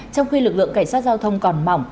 trong khi lực lượng cảnh sát giao thông còn mỏng